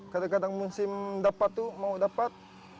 kadang kadang musim dapat tuh mau dapat